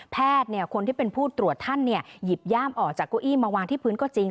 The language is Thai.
แพทย์เนี่ยคนที่เป็นผู้ตรวจท่านเนี่ยหยิบย่ามออกจากเก้าอี้มาวางที่พื้นก็จริง